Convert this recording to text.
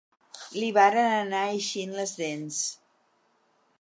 Li varen anar eixint les dents